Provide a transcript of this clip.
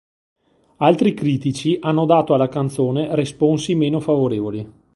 Altri critici hanno dato alla canzone responsi meno favorevoli.